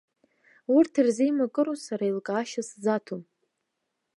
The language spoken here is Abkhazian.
Урҭ ирзеимакыроу сара еилкаашьа сзаҭом.